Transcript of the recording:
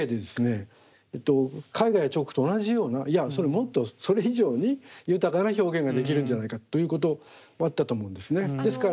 絵画や彫刻と同じようないやもっとそれ以上に豊かな表現ができるんじゃないかということもあったと思うんですね。